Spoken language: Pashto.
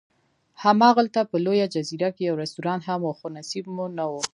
هماغلته په لویه جزیره کې یو رستورانت هم و، خو نصیب مو نه و.